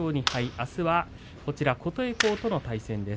あすは琴恵光との対戦です。